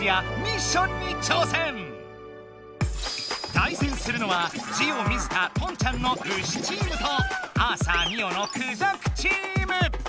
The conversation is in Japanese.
対戦するのはジオ水田・ポンちゃんのウシチームとアーサー・ミオのクジャクチーム。